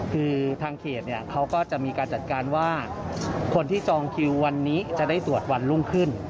คือทางเขตเขาก็จะมีการจัดการว่าคนที่จองคิววันนี้จะได้สวดวันรุ่งขึ้น